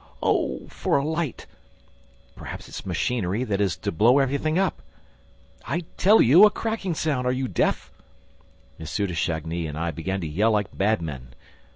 ... Oh, for a light! ... Perhaps it's the machinery that is to blow everything up! ... I tell you, a cracking sound: are you deaf?" M. de Chagny and I began to yell like madmen.